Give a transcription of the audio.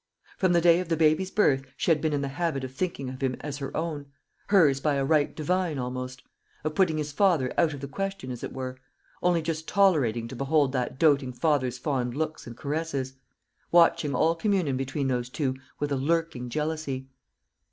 From the day of the baby's birth she had been in the habit of thinking of him as her own hers by a right divine almost of putting his father out of the question, as it were only just tolerating to behold that doating father's fond looks and caresses watching all communion between those two with a lurking jealousy.